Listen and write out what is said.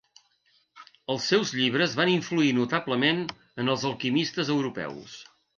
Els seus llibres van influir notablement en els alquimistes europeus.